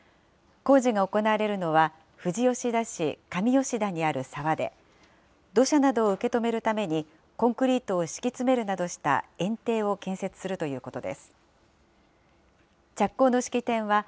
工事が行われるのは富士吉田市上吉田にある沢で、土砂などを受け止めるためにコンクリートを敷き詰めるなどしたえん堤を建設するということです。